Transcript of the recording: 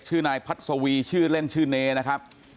ชื่อนายพัดสวีชื่อเล่นชื่อเนนะครับ